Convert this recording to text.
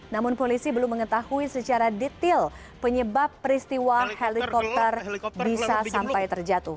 namun polisi belum mengetahui secara detail penyebab peristiwa helikopter bisa sampai terjatuh